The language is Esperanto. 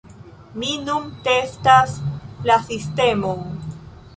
Mi nun testas la sistemon.